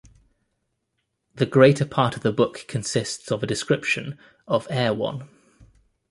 The greater part of the book consists of a description of Erewhon.